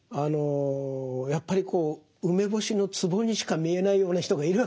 やっぱり梅干しのツボにしか見えないような人がいるわけですね。